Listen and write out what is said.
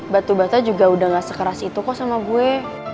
batu bata juga udah gak sekeras itu kok sama gue